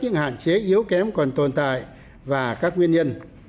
những hạn chế yếu kém còn tồn tại và các nguyên nhân